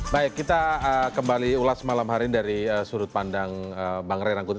baik kita kembali ulas malam hari ini dari sudut pandang bang ray rangkuti